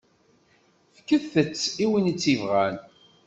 Fket-tt i win i tebɣam.